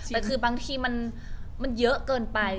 แต่คือบางทีมันเยอะเกินไป